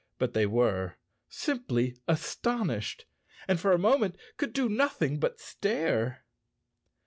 But they were—simply astonished —and for a moment could do nothing but stare.